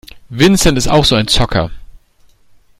Vincent ist auch so ein Zocker.